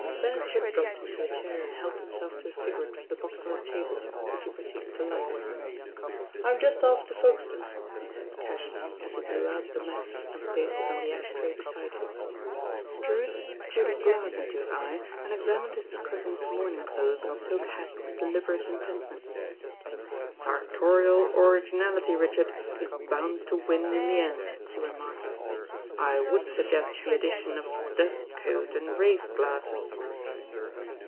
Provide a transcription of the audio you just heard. Beresford dropped into a chair and helped him self to a cigarette from the box on the table, which he proceeded to light. "I'm just off to Folkestone," he said casually, as he blew out the match and placed it on the ash tray beside him. < Drewitt screwed his glass into his eye, and exam ined his cousin's morning clothes and silk hat with deliberate intentness. "Sartorial originality, Richard, is bound to win in the end," he remarked. "I would suggest the addition of dust coat and race glasses."